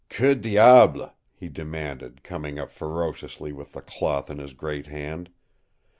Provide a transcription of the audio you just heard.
"QUE DIABLE!" he demanded, coming up ferociously with the cloth in his great hand.